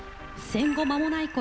戦後まもないころ